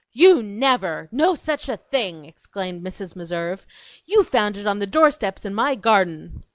"You never, no such a thing!" exclaimed Mrs. Meserve. "You found it on the doorsteps in my garden!"